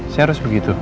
saya harus begitu